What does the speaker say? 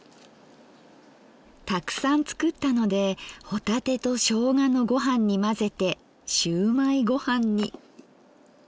たくさん作ったので帆立てとしょうがのごはんに混ぜてしゅうまいごはんに。